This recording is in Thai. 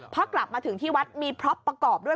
พอกลับมาถึงที่วัดมีพล็อปประกอบด้วย